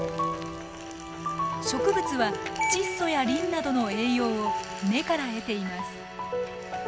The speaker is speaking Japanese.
植物は窒素やリンなどの栄養を根から得ています。